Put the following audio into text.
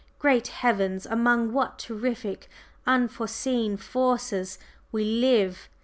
Great heavens! Among what terrific unseen forces we live!